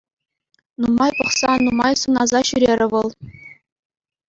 Нумай пӑхса, нумай сӑнаса ҫӳрерӗ вӑл.